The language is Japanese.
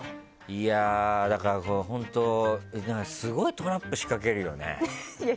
いや、本当、だからすごいトラップ仕掛けるよね。